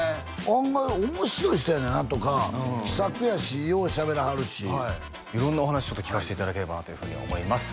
案外面白い人やねんなとか気さくやしようしゃべらはるしはい色んなお話ちょっと聞かせていただければなというふうに思います